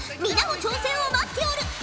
皆の挑戦を待っておる。